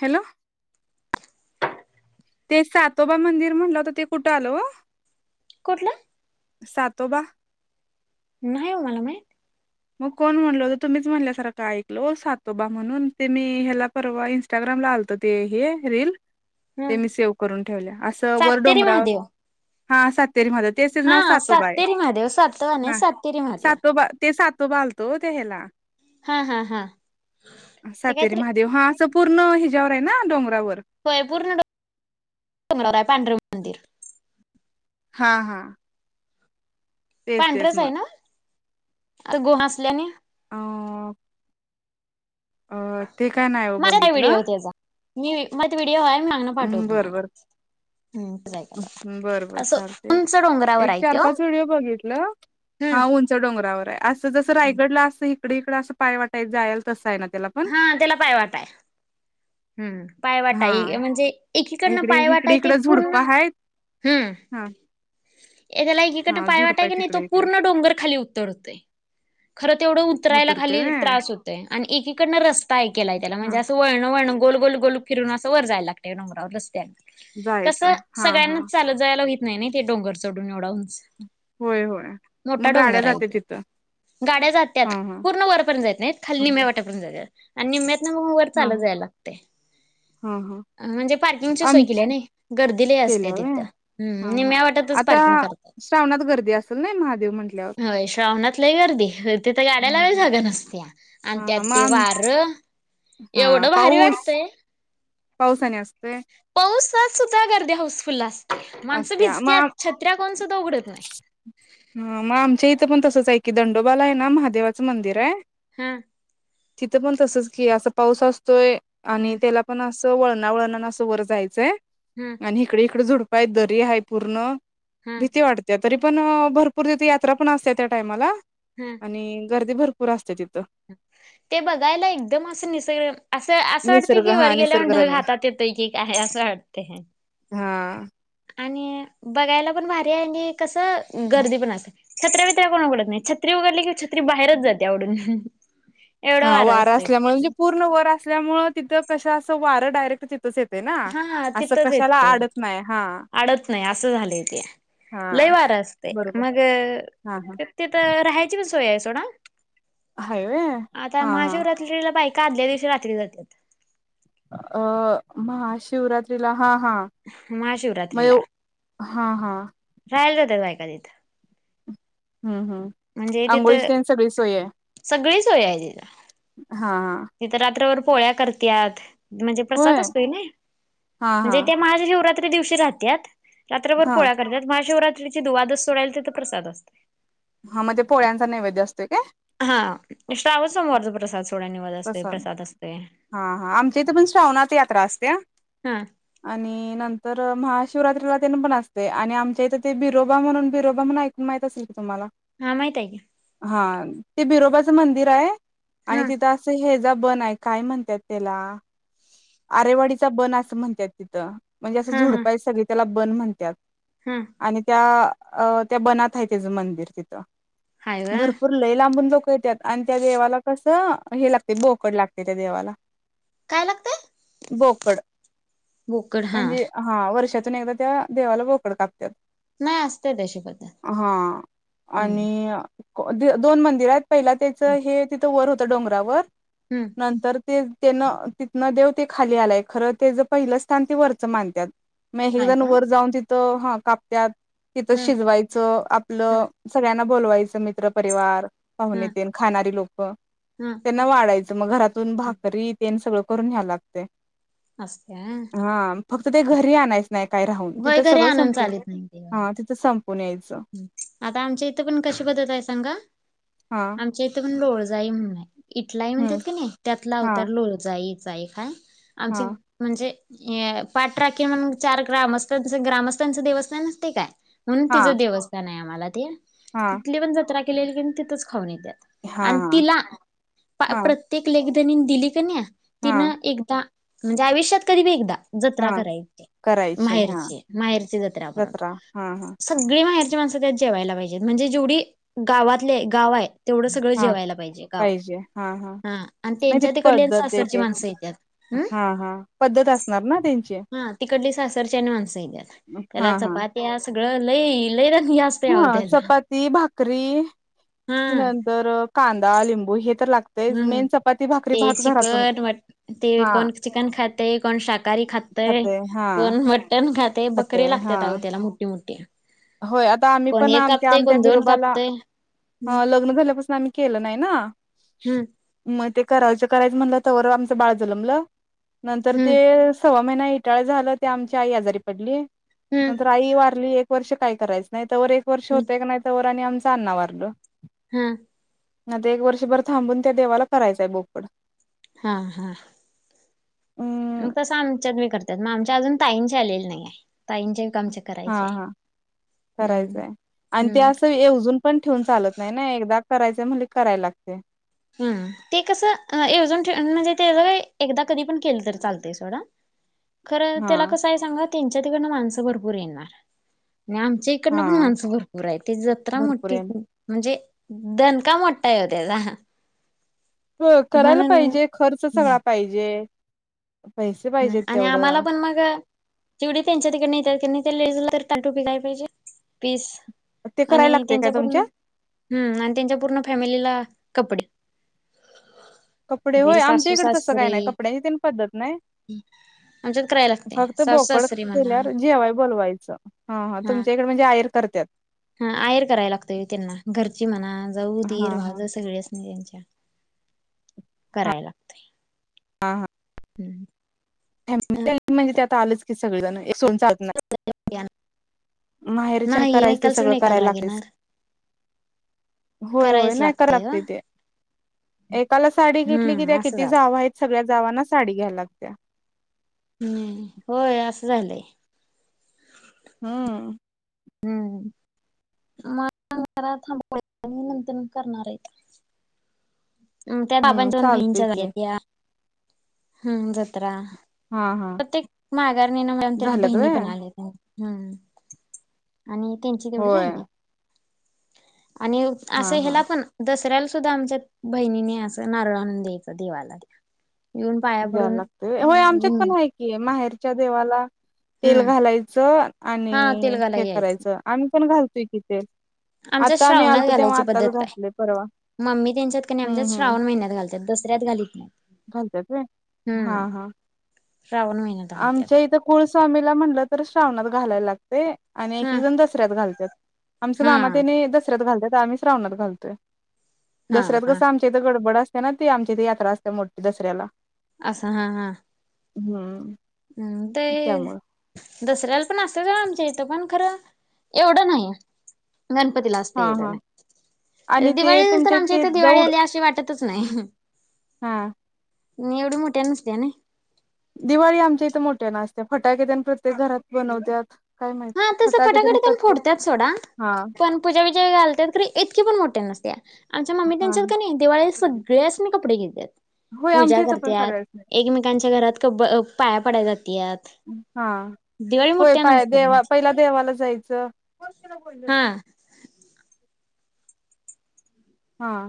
Hello. ते सातोबा मंदिर म्हणलं होता ते कुठं आल ओ? कुठला? सातोबा? नाही हो मला माहीत. मग कोण म्हणल होत तुम्हीच म्हणल्यासारखं ऐकल सातोबा म्हणून ते मी ह्याला परवा इंस्टाग्राम ला आलत ते हे रील ते हम्म मी सेव करून ठेवल्या अस वर सातेरी डोंगराव महादेव हां सात तरी म्हटलं तेच त्याच नाव हा सातोबा हाय सातेरी महादेव सातवा नाही हां सातेरी महादेव सातोबा ते सात तोबाला आलतो हो ह्याला हा हा हा ते सातेरी काहीतरी महादेव हां असं पूर्ण हिच्यायावर आहे नां डोंगरावर होय पूर्ण डोंगरांवर हाय पांढरं मंदिर. हां हां. पांढरच आहे ना गुहा असल्यानी? आं. अं ते काय नाय ओ माझ्यात आहे व्हिडिओ बघितलं. त्याचा मी माझ व्हिडिओ हाय मी मागणं पाठव तुम्हाला. हम्म तेच ऐकायला बर बर असं चालतेय उंच डोंगरावर एक आहे चार त्यो पाच व्हिडिओ बघितलं. हां हम्म उंच डोंगरावर आहे असं जसं रायगडला असं हिकड हिकडं असं पायवाट हाय जायला तसं आहे ना. त्याला पण हां त्याला पायवाट हाय. हम्म पायवाट हा हाय म्हणजे ऐकीकडनं इकडे पायवाट इकडे हाय ते इकडं झुडपं पूर्ण आहेत हम्म. हा एकला ऐकीकडन हा पायवाट झुडपं आहेत हायकीनी तो इकडे इकडं पूर्ण डोंगर खाली उतरतोय. खरं तेवढं उतरायला उतरते खाली व्हय त्रास होतय आणि ऐकीकडनं रस्ता हे केलाय त्याला हा म्हणजे असं वळण वळण गोल गोल गोल फिरून असं वर जायला लागतं डोंगरावर रस्त्या जायचं कसं हा हा सगळ्यांनाच चालत जायला व्हीत नाही नाही ते डोंगर चढून एवढा उंच होय होय मोठा मग गाड्या डोंगर आहे जात्यात तो तिथं? गाड्या हा जात्यात हा पूर्ण वरपर्यंत जयीत नायीत खाली हा निम्या वाट्यापर्यंत जात्यात. आणि निम्म्यातं मगं वर चालात जायला लागतय. हां हां. आं म्हंणजे पार्किंगची सोय केल्या नाही गर्दीलय असत्या केल्या व्हय तिथं हा हुं हा निम्या वाटातच आता पार्किंग करत्यात. श्रावणात गर्दी असेल ना महादेव म्हटल्यावर होय श्रावणात लय गर्दी तिथं गाड्या हा लावायला हा जागा नसत्या. त्या आणि त्यात ते वार हां पाऊ [unintelligible] पाऊस आणि असतोय? पावसात सुध्दा गर्दी होऊसफुल्ल आस माणसं असत्या भिजत्यात मग छत्र्या कोण सुद्धा उघडत नाही. हा मग आमच्या [unintelligible] दंडोबाला आहे नां महादेवाचं मंदिर आहे. हां- तिथं पण तसचं की असं पाऊस असतोय आणि हम्म त्याला पण असं- तो वळणा वळणान असं वर जायचांय हम्म आणि इकडे इकडे झुडप आहेत दरी आहे पूर्ण हम्म भीती वाटत्या तरी पण भरपूर तिथे यात्रा पण असत्या त्या टाइमाला हम्म आणि- गर्दी भरपूर असत्या तित ते बघायला एकदम असं निसर्ग अस असं वाटतय निसर्ग की हा वरगेलावर ढग निसर्गरम्य हातात येतोय की काय असं वाटतय हा आणि बघायला पण भारीय आणि कसं गर्दी पण असं छत्र्या [unintelligible] कोण उघडत नाही छत्री उघडली कि छत्री बाहेरच जाते आ उडून हा वारं असल्यामुळ म्हणजे पूर्ण वर असल्यामुळे तिथं कसं असं वारं डायरेक्ट ती हा हा तिथंच येतय आडत नाही हा आडत नाही असं झालंय ते हा लय वारं असतय बरोबर मग हा त-तर राहायची पण सोयाय सोडा हाय व्हय आता हा हा महाशिवरात्रीला बाईका आदल्या दिवशी रात्री जात्यात अ महाशिवरात्रीला हा हां म महाशिवरात्रीला हा हा त्त बायका तित हम्म हम्म आंघोळीची तेन सगळी सोयय सोयय तित तित रात्रभर पोळ्या करत्यात म्हणजे होय प्रसाद अस्तुय नई हा हा म्हणजे त्या महाशिवरात्री दिवशी राहत्यात रात्रभर हा पोळ्या करत्यात महाशिवरात्रीची दुवाद सोडाय तीत प्रसाद अस्तुय हा मग ते पोळ्यांचा नैवेद्य असतोय काय हा श्रावण सोमवार [unintelligible] प्रसाद असतय हा हा आमच्या इतं पण श्रावणात यात्रा असत्या हा आणि नंत तर महाशिवरात्रीला तेन पण असतंय आणि आमच्या इथं ते बिरोबा म्हणून बिरोबा म्हणून ऐकून माहित असल की तुम्हाला हा माहिताय की हा ते बिरोबाचं मंदिर आय हा आणि तिथं असं हेजा बन आहे काय म्हणत्यात त्याला आरेवाडीचा बन असं म्हणत्यात तितं म्हणजे असं हा हा झुडपाय सगळी त्याला बन म्हणत्यात हा आणि त्या अ.. त्या बनात हाय तेजं मंदिर तिथं हाय व्हय भरपूर लय लांबून लोकं लोकं येत्यात आणि त्या देवाला कसं हे लागतंय बोकड लागतंय त्या देवाला काय लागतंय बोकड बोकड हा म्हणजे हा वर्षा तून एकदा त्या देवाला बोकड कापतात नाही असते तशी पद्धत हा हम्म आणि [unintelligible] दो-दोन मंदिरायत पहिला त्याचं हे तिथं वर होतं डोंगरावर हम्म नंतर ते तेनं तिथनं देव ते खाली आलाय खरं तेजं पहिलं स्थान ते वरचं मानत्यात मग एकेक हाय जण का वर जाऊन तिथं हा कापत्यात तितं हा शिजवायचं हा आपलं सगळ्यांना बोलवायचं मित्र परिवार पाहून हा येतेन खाणारी लोकं हा त्यांना वाढायचं मग घरातून भाकरी तेन तेन सगळं करून न्यायला लागतंय असत्या हा फक्त ते घरी आणायचं नाही काय राहून होय तिथं घरी सगळं आणून संपून हा तिथं सं ह्म्म आता आमच्या इथं पण कशी पद्धतय सांगा हा आमच्या इथं प लोळजई म्हणूनाय इटलाई हम्म म्हणत्यात की नाई त्यातला हा अवतार लोळजईचाई चा आय एक आय आमची हा म्हणजे [unintelligible] पाठराखीण म्हणुन चार ग्रामस्थांचं ग्रामस्थांचं देवस्थान अस्तय काय म्हणून हा तिचं देवस्थान आहे आम्हाला ते हा तिथली पण जत्रा केलेली कीनी तिथच खाऊन येतंय आणि हा तिला हा प्र-प्रत्येक लेक धनी दिली का नाही हा तिनं एकदा म्हणजे आयुष्यात कधी बी एकदा जत्रा हा करायची करायचे हा माहेरची माहेरची जत्रा म्हणुन हा हा सगळी माहेर रची माणूसं त्यात जेवायला पाहिजे म्हणजे जेवढी गावातले गावाय तेवढं सगळं हा जेवायला पाहिजे गाव हा आणि नाही ती त्यांच्या तिकडली अन् पद्धत एक सासरची एक माणसं येत्यात हम् हा हा पद्धत असणार ना त्यांची हा तिकडली सासरच्या आणि माणसं त्या्यात त्याला हा च हा पा तेह असग लई ल रा हा चपाती भाकरी हा नंतर कांदा लिंबू हे हम्म न ते चिकन मट ते हा कोण चिकन खातय कोण शाकाहारी खातातय खाते हा पण मटण खाते बकरीे लागतात आग त्याला मोठी मोठी होय आता आम्ही कोण पण एक आमच्या कापतय आमच्या कोण दोन बिरोबाला कापतय हम्म ह लग्न झाल्यापासून आम्ही केलं नाही ना हम्म मग ते करायचं करायचं म्हणलं तर आमचं बाळ झालंमलं नंतर ते सव्वा महिना इटाळ झालं ते आमची आई आजारी पडली हम्म नंतर आई वारली एक वर्ष काय करायचं नाही तरवर एक वर्ष हम्म होतेय का नाही आणि आमच अ्ना भारल हमम ना ते एक वर्षभर थांबून त्या देवाला करायचंय बोपड हा हा अं मग तसं आमच्यात मी करतात मग आमच्या अजून ताईंचे आलेले नाही आहे तांचे हा करायचे हा हम्म. करायचंय आणि ते हम्म. असं अजून पण ठेवून चालत नाही ना एकदा करायचं म्हण कराय लागते हम्म ते कसंवजून ठेवून म्हणजे ते एकदा कधी पण केलं तररी चालते सोडं [inaudible] खरं त्याला हा. कसं आहे सांगा त्यांच्या तिकडन माणसं भरपूर येणार आणि आमच्या इकडनं पण हा माणसं भरपूर आहे ते जत्रा भरपूर मोठी आहे म्हणजे दनका मोठा आहे हो त्या्याचा हो करायला पाहिजे खर्च सगळा हम्म. पाहिजे पैसे पाहिजेत आणि आम्हाला तेवढं पण मग तेवढी त्यांच्या तिकडे येत क ते लेजल तर ताटोपी काय पाहिजे पीस ते करायला आणि लागते काय त्यांच्या पूर्ण तुमच्यात? हम्म आणि त्यांच्या पूर्ण फॅमिलीला कपड कपडे होय आमच्या इकडे तसं काय नाही कपड्यांची तीन पद्धत नाही आमच्यात करायला लागते फक्त सासू बोकड सासरे म्हणा केल्या जेवाय बोलवायचं हाा हा तुमच्या इडे म्हणजे र करत हा आर करायला लागतोय त्यांना घरची मना हा जाऊ ीर भाव हा ज सगळी अस नाही त्यांची कराय लागत हा हा हम्म फॅमि म्हणजे ते आता आलंची सगळे जण एक सो चा माहेरच्या आणि नाही करायच ते एकाला सोडून सगळं एकाला करायला राग येणार लागेच होय होय करायच नाही क लागतय ओ लागते ते एकाला साडी घेतली कि त्या्या हम्म असं किती झालं जाव आहेत सगळ्या जावांना साडी घ्याय लागत्या हम्म होय असं झालंय हम्म हम्म मा थांब निमंतण करणार आहेत त्या हम्म बाबांच्यान चालतय बहीणीच्या की झाल्या हम् जत्रा हा हा प्रत्येक माघारणी ना मम त्या झाल्यात बहिणी व्हय पण आल्या त्यांनी हम्म आणि त्यांची तेवढी होय राहिल्या आणि हा असं हा ह्याला पण दसऱ्याला सुद्धा आमच्यात बहिणीने असं नारळ आणून द्यायचं देवाला येऊन पाया द्यायला पडून लागत व आमच्यात पण आहे की माहेर च्या देवाला, तेल हम्म घालायचं, हा तेल आणि घालायला हे यायचं करायचं, आम्ही पण घालतोऽऽ त की तीत, आमच्या आता आम्ही श्रावणात आलतो तेव्हा घालायची आताच पद्धत आहे घातलेय परवा. मम्मी त्यांच्यात क नै आमच्यात, हम्म श्रावण महिन्यात घालतात दसऱ्यात घालीत नाहीत. घालत्यात वय,,, हा, हम्म हा. श्रावण महिन्यात घालत्यात आमच्या इथं कुळ स्वामीला म्हणलं तर श्रावणात घालायला लागतऽऽ तय, आणि एक, हा एक जण दसऱ्यात घालतात, आमचे मामा हा त्याने दसऱ्यात घालत्यातऽ महश्रवणात घालतोय हा दसऱ्यात हा कस आमच्या इथ गडबड ना ती आमची इथे यात्रा असत्या मोठी दसऱ्याला. असं,, हा, हा, हम्, ह्हा तेऽऽ दसऱ्याला पण असतयच आमच्या इथं, पण खरं एवढं नाहीऽ गणपतीला आस्तय हा हा एवढऽऽ आणि ते दिवाळीला तर, तुमचे आमच्या ते इथं दिवाळी दौड आल्या अस वाटतच नाहीऽऽ हा, निवड मोठ्या न नसत्या नैऽऽ दिवाळी आमच्या इथं मोठ्यानं असत्या,, फटाकेे तन प्रत्येक घरात बनवतातऽऽ हां तसं फटाकड्या पण फोडतात सोडा,, हा पण पूजा विजा घालतात इतकीे पण मोऽऽ नसत्या,, आमच्या मम्मी हा त्यांच्यात का नाही दिवाळीत सगळेच ना कपडे घे्त्यातऽऽ होय पूजा आमच्या इथं पण करत्यात,, सगळ्यासनी एकमेकांच्या घरात क पाया पडाय जातऽऽ त, हा दिवाळी होय मोठत्या पाया नतऽऽ देवा, पहिला देवाला हा जायचंऽऽ हा,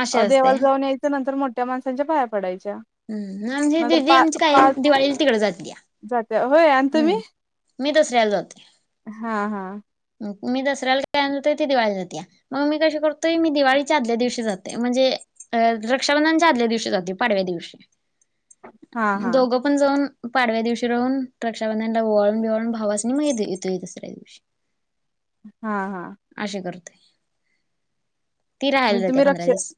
अशा असते देवाला जाऊन यायचं नंतर मोठ्या माणसांच्या पाया पडायचं. हम्,, आमची दिदी आमची काय पाच दिवाळीला तिकड जात्या. जात्या होय आणि तुम्ही हम्म,, मी रस्त्याला जातोय. हा हा मी दसऱ्याला जातोय, ती दिवाळी जात्या, या, मग मी कशी करतोय मी दिवाळीच्या आदल्या दिवशी जाते म्हणजेऽऽ अ रक्षाबंधनच्या आदल्या दिवशी जातोय, पाडव्या दिवशी. हा हा दोघं पण जाऊन,, पाडव्या दिवशी राहून. रक्षाबंधनला ओवाळून बिवाळून भावासनी म ग येतोय दुसऱ्या दिवशी. हा, हा, अशी करतोय ती राहायला म्हणजे जाते तुम्ही पंधरा रक्षा, दिवस.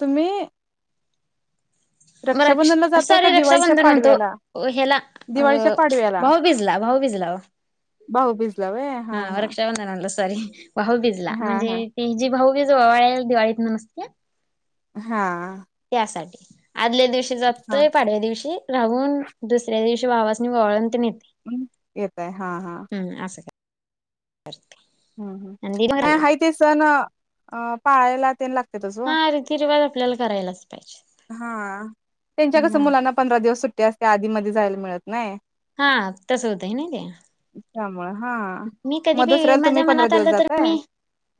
तुम्हीऽऽ रक्षा जाताय का सोरी दिवाळीच्या रक्षाबंधन म्हणतो,, पाडव्याला हेला अ दिवाळीच्या भाऊ बिझला भाऊऽऽ होग झलावऽ भाऊ बिज. हा, व रक्षा बंधनाला. सॉरी भाऊबीज ला,, हा हा म्हणजे त जी भाऊबीज वावाळ दिवाळीत नसत्या ऽऽ हा, साठी, आदल्या दिवशी हा जातोय, पाडव्या दिवशी राहुनं, दूसर्या दिवशी ऽऽ भावासनी, ववाळून तन एतऽऽ हम्,, येताय हा, हा, असं काय हम्, ह आणि नाही दिली हाय ते सण,, अऽ पाळायला त्यां लागऽऽ हां, रीतीरिवाज आपल्याला करायलाच पाहिजे. हा त्यांच्या कसं मग मुलांना पंधरा दिवस सुट्टी असत्या आधीमध्यी जायला मिळत नाहीऽऽ हा, तस होतंय नाही तेऽ त्यामुळे हा मी कधी मग बीऽऽ दुसऱ्याला तुम्ही माझ्या पंधरा मनात दिवस आलं तर जाताय मी,,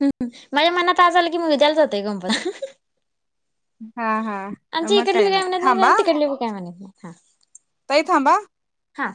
माझ्या मनात आज आल की मी उद्याला जातोय गपलाऽऽ हा हा आमचं मग इकडली बी काय म्हणत नाही, आणि थांबा तिकडली बी काय म्हणत नाही हऽऽ ताई थांबा. हां,